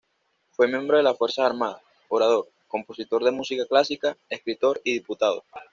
Fue miembro de las fuerzas armadas, orador, compositor de música clásica, escritor, y diputado.